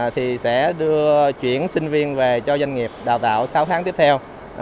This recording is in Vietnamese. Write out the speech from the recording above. thì sẽ đưa chuyển sinh viên về cho doanh nghiệp đào tạo sáu tháng tiếp theo